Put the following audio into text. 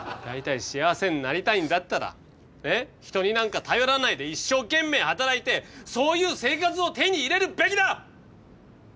大体幸せになりたいんだったら人になんか頼らないで一生懸命働いてそういう生活を手に入れるべきだ！